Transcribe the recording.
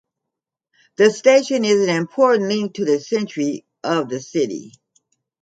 The station is an important link to the centre of the city.